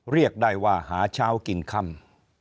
เรียกได้ว่าหาเช้ากินค่ำ